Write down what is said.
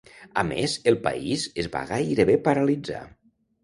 A més, el país es va gairebé paralitzar.